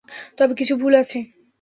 তবে কিছু ভুল আছে।